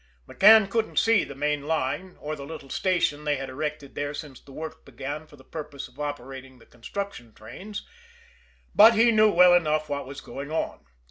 McCann couldn't see the main line, or the little station they had erected there since the work began for the purpose of operating the construction trains, but he knew well enough what was going on.